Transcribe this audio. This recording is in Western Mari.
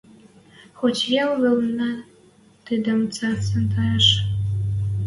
Хоть йӓл вӹлнӹ тидӹм цацен таяш